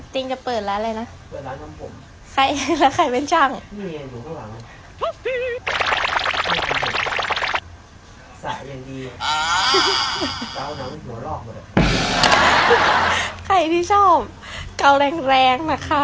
ติ๊งจะเปิดร้านอะไรนะ